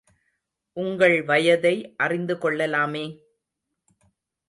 உங்கள் வயதை அறிந்து கொள்ளலாமே?